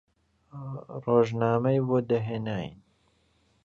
ڕۆژنامەی بۆ دەهێناین